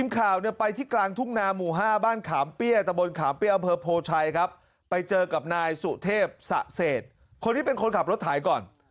คนที่เป็นคนขับรถไถก่อน